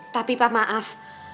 tapi pak maaf